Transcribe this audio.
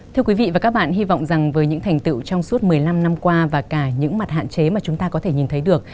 thưa quý vị và các bạn hy vọng rằng với những thành tựu trong suốt một mươi năm năm qua và cả những mặt hạn chế mà chúng ta có thể nhìn thấy được